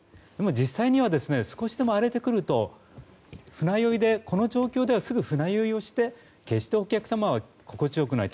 実際には少しでも荒れてくるとこの状況ではすぐ船酔いをして決してお客様は心地よくない。